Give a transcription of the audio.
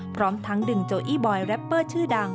พร้อมทั้งดึงโจอี้บอยแรปเปอร์ชื่อดัง